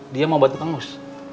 dia mau bantu pengus